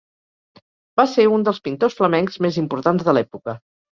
Va ser un dels pintors flamencs més importants de l'època.